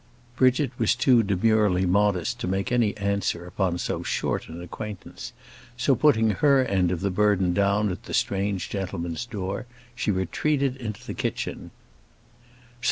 Bridget was too demurely modest to make any answer upon so short an acquaintance; so, putting her end of the burden down at the strange gentleman's door, she retreated into the kitchen.